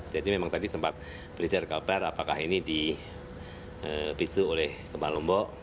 jadi memang tadi sempat berita berkabar apakah ini dipicu oleh gempa lombok